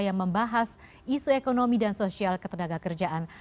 yang membahas isu ekonomi dan sosial ketenaga kerjaan